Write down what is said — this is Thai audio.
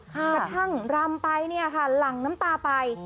กระทั่งรำไปเนี่ยค่ะหลั่งน้ำตาไป